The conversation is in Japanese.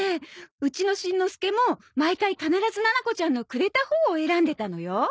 うちのしんのすけも毎回必ずななこちゃんのくれたほうを選んでたのよ。